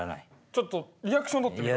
ちょっとリアクション取ってみるわ。